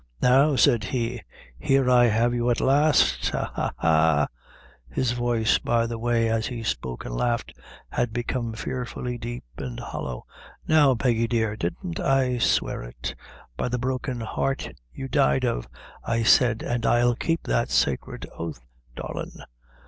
"Now," said he, "here I have you at last ha, ha, ha!" his voice, by the way, as he spoke and laughed, had become fearfully deep and hollow "now, Peggy dear, didn't I swear it by the broken heart you died of, I said, an' I'll keep that sacred oath, darlin'."